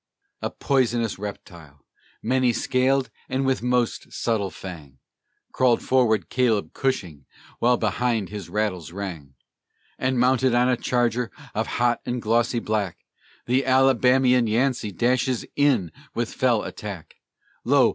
A poisonous reptile, many scaled and with most subtle fang, Crawled forward Caleb Cushing, while behind his rattles rang; And, mounted on a charger of hot and glossy black, The Alabamian Yancey dashes in with fell attack: Lo!